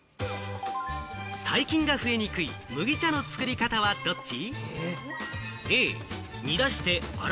細菌が増えにくい麦茶の作り方はどっち？